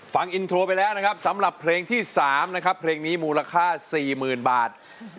ฟังอินโทรไปแล้วนะครับสำหรับเพลงที่๓นะครับเพลงนี้มูลค่า๔๐๐๐บาท